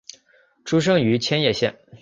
出生于千叶县。